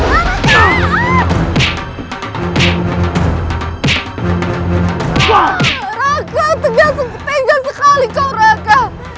raka tegas sekali kau raka